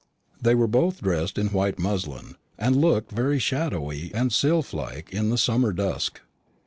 They were both dressed in white muslin, and looked very shadowy and sylph like in the summer dusk.